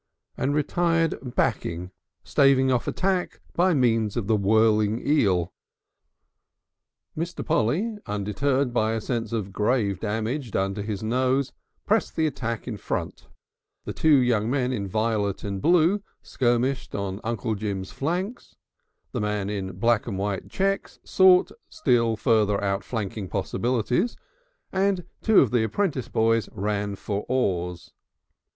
and retired backing, staving off attack by means of the whirling eel. Mr. Polly, undeterred by a sense of grave damage done to his nose, pressed the attack in front, the two young men in violet and blue skirmished on Uncle Jim's flanks, the man in white and black checks sought still further outflanking possibilities, and two of the apprentice boys ran for oars.